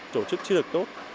tổ chức chưa được tốt